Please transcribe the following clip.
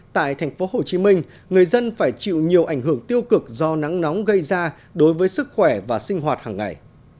tại thành phố hồ chí minh người dân phải chịu nhiều ảnh hưởng tiêu cực do nắng nóng gây ra đối với sức khỏe và sinh hoạt hàng ngày